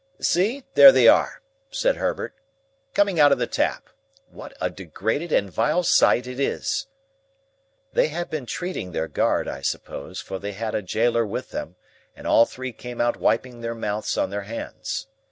"See! There they are," said Herbert, "coming out of the Tap. What a degraded and vile sight it is!" They had been treating their guard, I suppose, for they had a gaoler with them, and all three came out wiping their mouths on their hands.